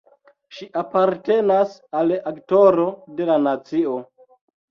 Ŝi apartenas al Aktoro de la nacio.